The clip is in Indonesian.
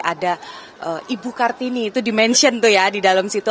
ada ibu kartini itu dimention tuh ya di dalam situ